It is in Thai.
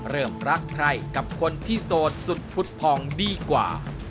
เริ่มรักใครกับคนที่โสดสุดพุทธพองดีกว่า